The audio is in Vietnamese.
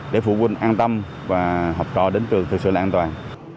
để phụ huynh an tâm và học trò đến trường thực sự là an toàn